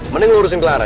mending lu urusin clara